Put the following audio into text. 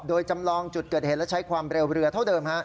โดยจำลองจุดเกิดเหตุและใช้ความเร็วเรือเท่าเดิม